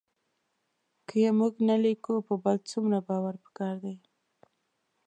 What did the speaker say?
که یې موږ نه لیکو په بل څومره باور پکار دی